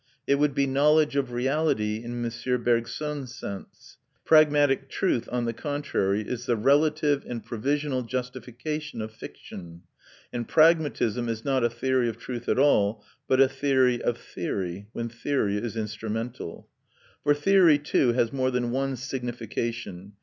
It would be knowledge of reality in M. Bergson's sense. Pragmatic "truth," on the contrary, is the relative and provisional justification of fiction; and pragmatism is not a theory of truth at all, but a theory of theory, when theory is instrumental. For theory too has more than one signification.